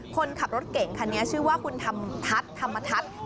คนขับรถเก่งคันนี้ชื่อว่าคุณธรรมทัศน์ธรรมทัศน์